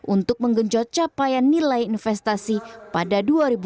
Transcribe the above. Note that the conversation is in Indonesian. untuk menggenjot capaian nilai investasi pada dua ribu dua puluh